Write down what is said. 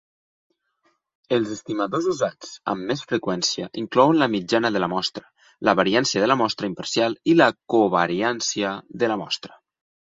Els estimadors usats amb més freqüència inclouen la mitjana de la mostra, la variància de la mostra imparcial i la covariància de la mostra.